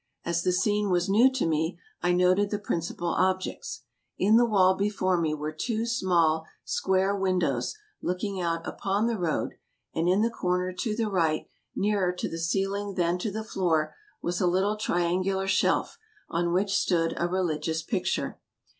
As the scene was new to me, I noted the principal objects. In the wall before me were two small square windows looking out upon the road, and in the corner to the right, nearer to the ceiling than to the floor, was a little triangular shelf, on which stood a religious picture.